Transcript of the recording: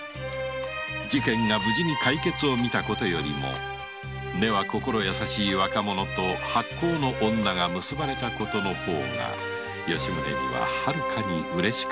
事件が無事解決した事よりも根は心優しい若者と薄幸の女が結ばれた事の方が吉宗にははるかにうれしかったのである